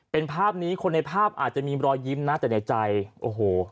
เป็นภาพนี้คนในภาพอาจจะมีรอยยิ้มนะแต่ในใจโอ้โห